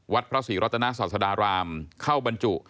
วัดพระสี่รัตนาสัภดารามเข้าบรรจุ